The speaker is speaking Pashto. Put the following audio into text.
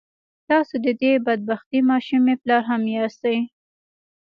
تاسو د دې بد بختې ماشومې پلار هم ياستئ.